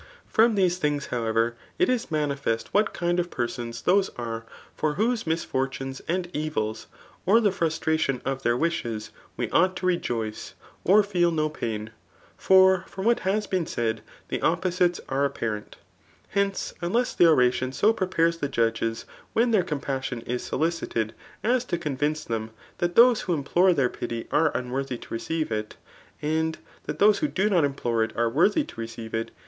F^om these things, however, it is mani fest what kinid 6f ^ersdns thdsearefor whose misfortunes and evils, or thftfrUfitratibn of their wishes, we ought to rejoice, or fe^I mj "pain; for from what has been said the opposires are apparent. .Hence, unless the oratioil so prepares thejticJgcis ^hen'theii* tompassJon is solicited; as to c6nvince th^m that thos^ who implore their pity are unworthy td* iWceive if, and thit those whd do ndt Implore ir are wwthy^b r^d^fe it?